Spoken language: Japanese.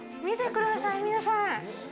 見てください、皆さん！